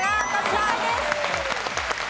正解です！